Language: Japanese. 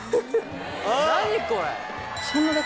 何⁉これ。